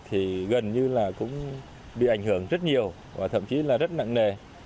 thì gần như là cũng bị ảnh hưởng rất nhiều và thậm chí là rất nặng nề